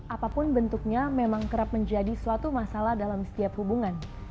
apapun bentuknya memang kerap menjadi suatu masalah dalam setiap hubungan